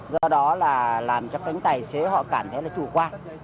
do đó là làm cho cánh tài xế họ cảm thấy là chủ quan